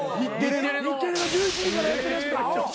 日テレの１１時からやってるやつか。